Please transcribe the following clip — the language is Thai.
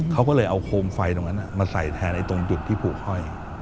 เขาก็เลยเอาโคมไฟตรงนั้นมาใส่แทนตรงจุดที่ผูกห้อย